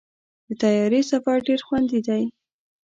د طیارې سفر ډېر خوندي دی.